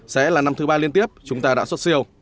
sẽ là năm thứ ba liên tiếp chúng ta đã xuất siêu